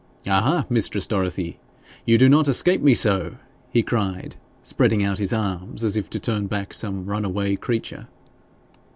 'Ah ha, mistress Dorothy, you do not escape me so!' he cried, spreading out his arms as if to turn back some runaway creature.